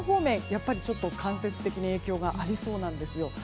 やっぱりちょっと間接的に影響がありそうです。